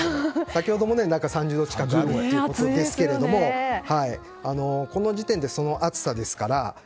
先ほども３０度近くということでしたけどこの時点でその暑さですから。